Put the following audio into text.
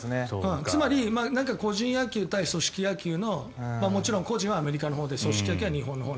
つまり、個人野球対組織野球のもちろん個人野球はアメリカのほうで組織野球は日本のほう。